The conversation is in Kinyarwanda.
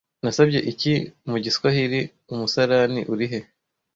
nasabye iki mu giswahili Umusarani uri he